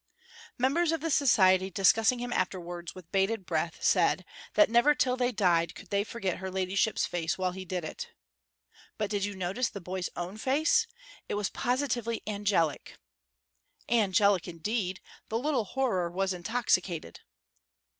Members of the society discussing him afterwards with bated breath said that never till they died could they forget her ladyship's face while he did it. "But did you notice the boy's own face? It was positively angelic." "Angelic, indeed; the little horror was intoxicated."